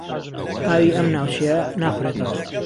ئاوی ئەم ناوچەیە ناخورێتەوە.